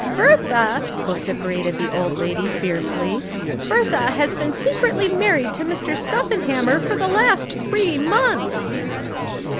"Bertha," vociferated the old lady fiercely "Bertha has been secretly married to Mr. Stuffenhammer for the last three months!"